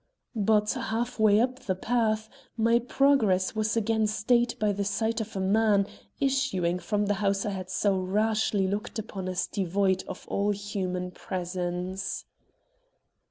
But half way up the path, my progress was again stayed by the sight of a man issuing from the house I had so rashly looked upon as devoid of all human presence.